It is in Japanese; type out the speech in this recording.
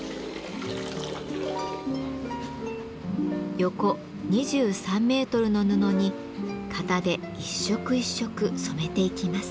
横２３メートルの布に型で一色一色染めていきます。